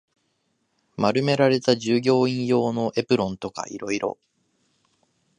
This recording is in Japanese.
丸められた従業員用のエプロンとか色々